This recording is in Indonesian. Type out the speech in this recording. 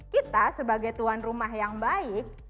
kita sebagai tuan rumah yang baik